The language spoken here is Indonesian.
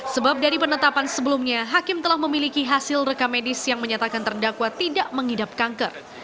sebab dari penetapan sebelumnya hakim telah memiliki hasil rekamedis yang menyatakan terdakwa tidak mengidap kanker